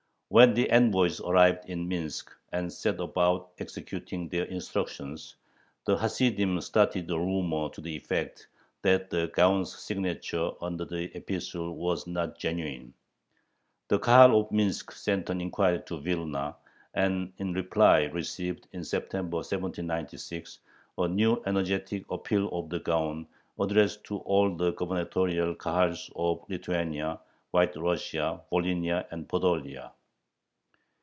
When the envoys arrived in Minsk, and set about executing their instructions, the Hasidim started a rumor to the effect that the Gaon's signature under the epistle was not genuine. The Kahal of Minsk sent an inquiry to Vilna, and in reply received, in September, 1796, a new energetic appeal of the Gaon addressed to all the gubernatorial Kahals of Lithuania, White Russia, Volhynia, and Podolia.